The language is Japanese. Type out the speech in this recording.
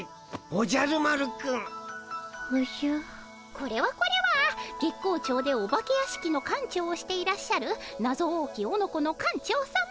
これはこれは月光町でお化け屋敷の館長をしていらっしゃるなぞ多きオノコの館長さま。